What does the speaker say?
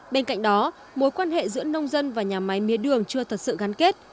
bên cạnh đó mối quan hệ giữa nông dân và nhà máy mía đường chưa thật sự gắn kết